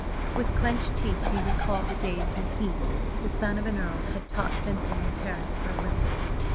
With clenched teeth he recalled the days when he, the son of an Earl, had taught fencing in Paris for a living.